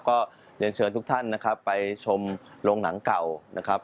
ก็เรียนเชิญทุกท่านนะครับไปชมโรงหนังเก่านะครับ